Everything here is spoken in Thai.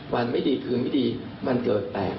วันไม่ดีคืนไม่ดีมันเกิดแตก